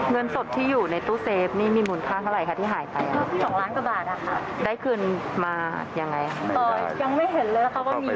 เงินสดที่อยู่ในตู้เซฟนี่มีมูลค่าเท่าไหร่คะที่หายไป